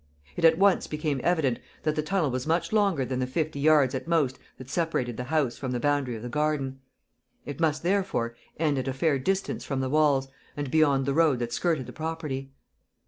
It at once became evident that the tunnel was much longer than the fifty yards at most that separated the house from the boundary of the garden. It must, therefore, end at a fair distance from the walls and beyond the road that skirted the property.